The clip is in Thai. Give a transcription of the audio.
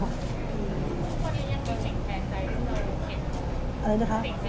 ทุกคนนี้ยังเป็นสิ่งแทนใจหรือเปล่า